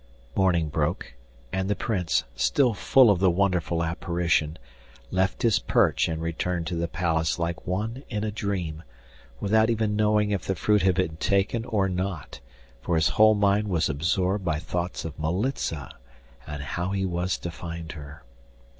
Morning broke, and the Prince, still full of the wonderful apparition, left his perch and returned to the palace like one in a dream, without even knowing if the fruit had been taken or not; for his whole mind was absorbed by thoughts of Militza and how he was to find her.